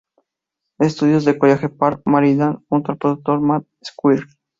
Studios en College Park, Maryland, junto al productor Matt Squire.